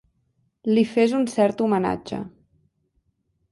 Li fes un cert homenatge.